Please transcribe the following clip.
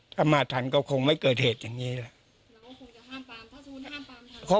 ถ้ามาทันก็คงไม่เกิดเหตุอย่างนี้แล้ว